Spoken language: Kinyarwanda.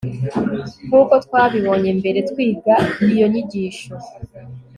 nk'uko twabibonye mbere twiga iyo nyigisho